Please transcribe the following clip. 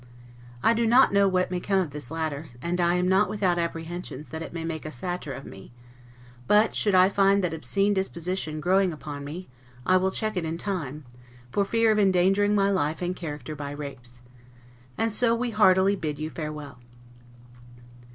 I do not know what may come of this latter, and I am not without apprehensions that it may make a satyr of me; but, should I find that obscene disposition growing upon me, I will check it in time, for fear of endangering my life and character by rapes. And so we heartily bid you farewell.